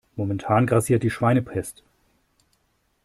Momentan grassiert die Schweinepest.